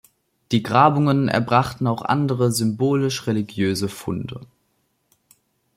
Die Grabungen erbrachten auch andere symbolisch-religiöse Funde.